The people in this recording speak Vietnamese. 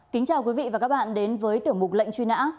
kính chào quý vị và các bạn đến với tiểu mục lệnh truy nã